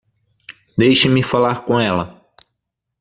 Deixe-me falar com ela.